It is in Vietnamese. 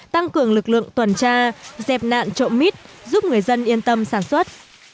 tăng cường lực lượng tuần tra dẹp nạn trộm mít giúp người dân yên tâm sản xuất